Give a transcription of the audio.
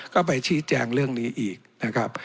ก็ไปชี้แจงเรื่องนี้อีกนะครับ